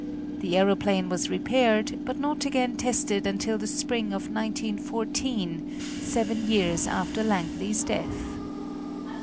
The aeroplane was repaired, but not again tested until the spring of 1914 seven years after Langley's death.